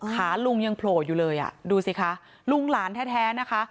ขาลุงยังโผล่อยู่เลยอ่ะดูสิคะลุงหลานแท้นะคะ